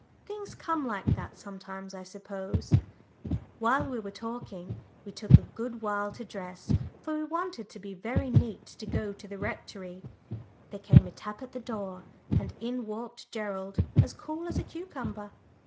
Things come like that sometimes, I suppose." While we were talking we took a good while to dress, for we wanted to be very neat to go to the Rectory there came a tap at the door, and in walked Gerald, as cool as a cucumber.